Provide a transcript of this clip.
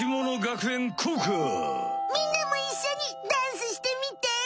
みんなもいっしょにダンスしてみて！